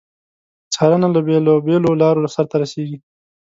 څارنه له بیلو بېلو لارو سرته رسیږي.